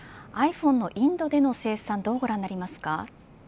ｉＰｈｏｎｅのインドでの生産どうご覧になりますか。